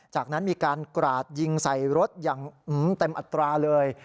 จากนั้นมีการกราดยิงใส่รถอย่างเต็มอัตราเลย